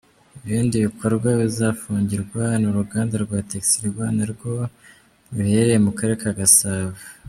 Ibindi bikorwa bizafungirwa ni uruganda rwa Utexirwa na rwo ruherereye mu Karere ka Gasabo.